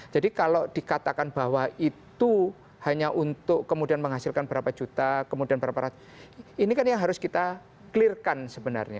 jadi kalau dikatakan bahwa itu hanya untuk kemudian menghasilkan berapa juta kemudian berapa ratus ini kan yang harus kita clear kan sebenarnya